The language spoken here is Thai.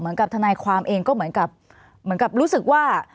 เหมือนกับทนายความเองก็เหมือนกับรู้สึกว่า